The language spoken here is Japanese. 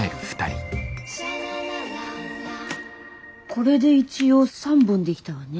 これで一応３本できたわね。